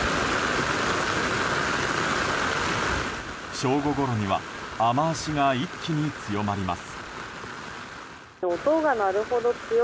正午ごろには雨脚が一気に強まります。